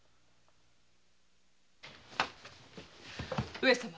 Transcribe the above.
上様。